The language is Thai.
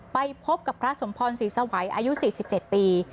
ไปพบกับพระสมพรรณศีรษะไหวอายุ๔๗ปี